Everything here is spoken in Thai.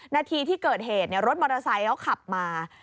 นาทีที่เกิดเหตุรถมอเตอร์ไซค์เขาขับมา